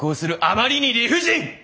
あまりに理不尽！